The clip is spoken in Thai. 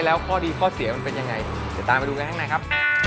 แล้วข้อดีข้อเสียมันเป็นยังไงเดี๋ยวตามมาดูกันข้างในครับ